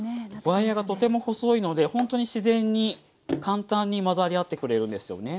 ワイヤーがとても細いのでほんとに自然に簡単に混ざり合ってくれるんですよね。